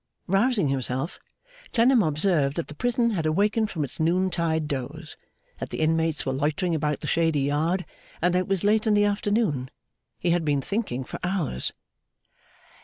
Rousing himself, Clennam observed that the prison had awakened from its noontide doze, that the inmates were loitering about the shady yard, and that it was late in the afternoon. He had been thinking for hours.